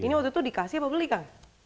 ini waktu itu dikasih apa beli kang